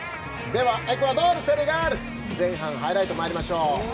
ではエクアドル、セネガルの前半ハイライトまいりましょう。